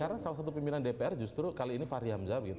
karena salah satu pimpinan dpr justru kali ini fahri hamzah gitu pak